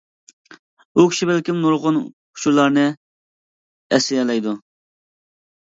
ئۇ كىشى بەلكىم نۇرغۇن ئۇچۇرلارنى ئەسلىيەلەيدۇ.